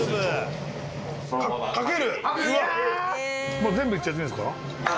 もう全部行っちゃっていいんですか？